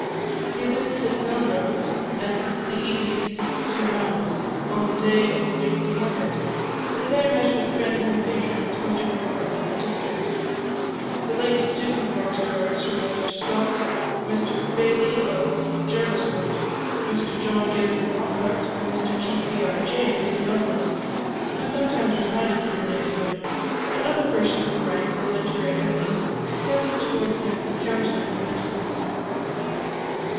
He visited Melrose, at the easy distance of two miles, on the day of the weekly market, and there met with friends and patrons from different parts of the district. The late Duke of Roxburghe, Sir Walter Scott, Mr Baillie of Jerviswoode, Mr John Gibson Lockhart, and Mr G. P. R. James, the novelist, who sometimes resided in the neighbourhood, and other persons of rank or literary eminence, extended towards him countenance and assistance.